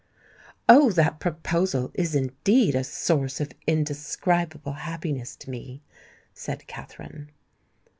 "Oh! that proposal is indeed a source of indescribable happiness to me," said Katherine.